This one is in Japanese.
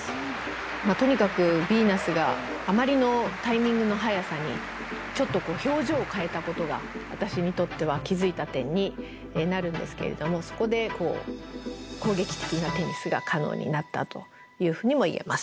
とにかくビーナスがあまりのタイミングの速さにちょっと表情を変えたことが私にとっては気付いた点になるんですけれどもそこで攻撃的なテニスが可能になったというふうにも言えます。